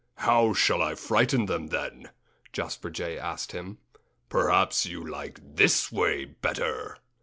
"How shall I frighten them, then?" Jasper Jay asked him. "Perhaps you like this way better!"